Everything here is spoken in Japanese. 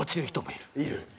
いる。